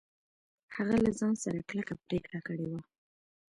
هغه له ځان سره کلکه پرېکړه کړې وه.